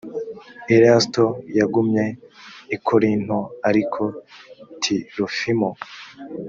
erasito yagumye i korinto ariko tirofimo